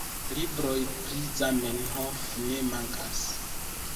Libroj pri Zamenhof ne mankas.